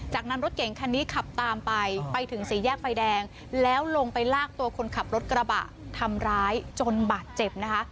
จากนั้นรถเก่งคันนี้ขับตามไปไปถึงสี่แยกไฟแดงแล้วลงไปลากตัวคนขับรถกระบะทำร้ายจนบาดเจ็บนะคะ